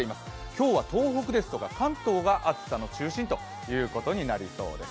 今日は東北ですとか関東が暑さの中心ということになりそうです。